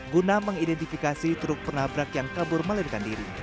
guna mengidentifikasi truk penabrak yang kabur melarikan diri